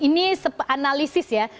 ini analisis ya